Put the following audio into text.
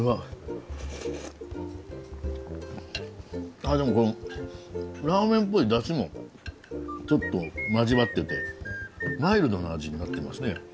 あでもこのラーメンっぽい出汁もちょっと交わっててマイルドな味になってますね